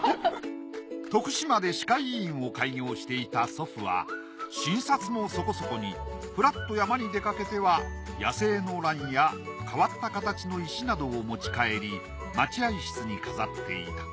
徳島で歯科医院を開業していた祖父は診察もそこそこにフラッと山に出かけては野生のランや変わった形の石などを持ち帰り待合室に飾っていた。